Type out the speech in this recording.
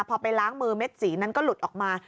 พอไปล้างมือเม็ดสีนั้นก็หลุดออกมา